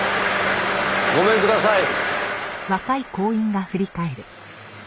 ごめんください！